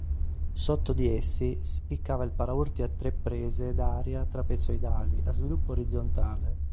Sotto di essi, spiccava il paraurti a tre prese d'aria trapezoidali a sviluppo orizzontale.